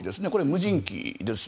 無人機です。